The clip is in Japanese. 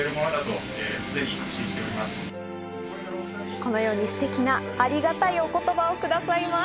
このようにステキな、ありがたいお言葉をくださいます。